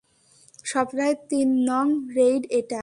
সপ্তাহের তিন নং রেইড এটা।